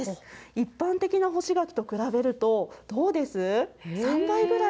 一般的な干し柿と比べると、どうです？